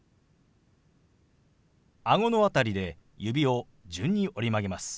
顎の辺りで指を順に折り曲げます。